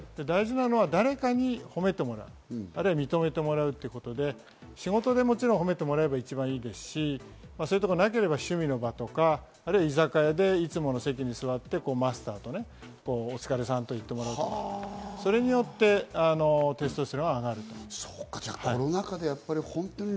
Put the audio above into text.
大事なのは誰かに褒めてもらう、認めてもらうということで、仕事でもちろん褒めてもらえば一番いいですし、なければ趣味の場とか、居酒屋でいつもの席に座って、マスターにお疲れさんと言ってもらうとか、それによってテストステロンは上がる。